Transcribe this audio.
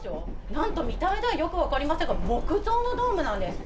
なんと見た目ではよくわかりませんが木造のドームなんです。